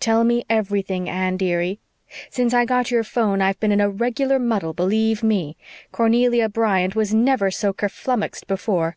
"Tell me everything, Anne, dearie. Since I got your phone I've been in a regular muddle, believe ME. Cornelia Bryant was never so kerflummuxed before."